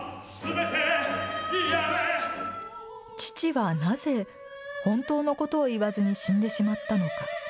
父はなぜ本当のことを言わずに死んでしまったのか。